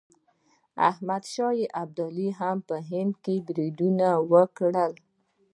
احمد شاه ابدالي هم په هند بریدونه وکړل.